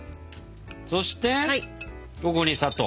そしてここに砂糖。